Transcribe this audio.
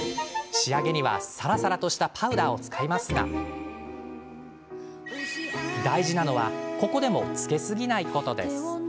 仕上げには、さらさらとしたパウダーを使いますが大事なのは、ここでもつけすぎないこと。